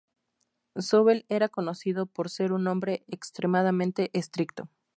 Sobel era conocido por ser un hombre extremadamente estricto.